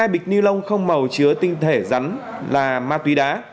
vịt ni lông không màu chứa tinh thể rắn là ma túy đá